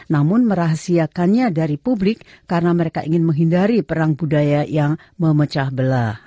namun merahasiakannya dari publik karena mereka ingin menghindari perang budaya yang memecah belah